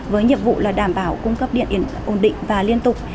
với nhiệm vụ là đảm bảo cung cấp điện ổn định và liên tục